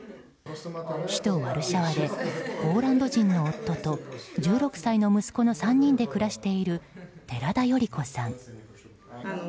首都ワルシャワでポーランド人の夫と１６歳の息子の３人で暮らしている寺田頼子さん。